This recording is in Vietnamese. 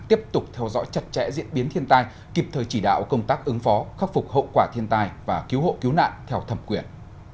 tiếp tục theo dõi chặt chẽ diễn biến thiên tai kịp thời chỉ đạo công tác ứng phó khắc phục hậu quả thiên tai và cứu hộ cứu nạn theo thẩm quyền